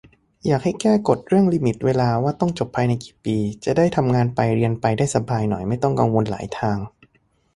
อยากให้แก้กฎเรื่องลิมิตเวลาว่าต้องจบภายในกี่ปี จะได้ทำงานไปเรียนไปได้สบายหน่อย ไม่ต้องกังวลหลายทาง